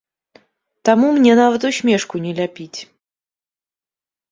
Таму мне нават усмешку не ляпіць.